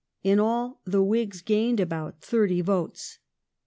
In all, the Whigs gained about thirty votes.